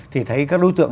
thì thấy các đối tượng